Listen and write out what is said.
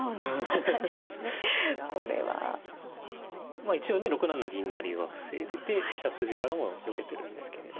まあ一応ね６七銀成は防いでて飛車筋からもよけてるんですけれど。